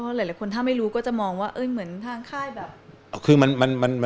หลายคนถ้าไม่รู้ก็จะมองว่าเหมือนทางค่ายแบบ